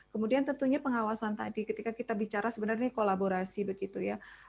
kemudian tentunya pengawasan tadi ketika kita bicara sebenarnya kolaborasi begitu ya